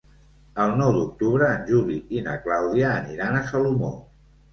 El nou d'octubre en Juli i na Clàudia aniran a Salomó.